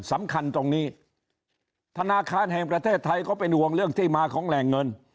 สำคัญตรงนี้ธนาคารแห่งประเทศไทยก็เป็นห่วงเรื่องที่มาของแหล่งเงิน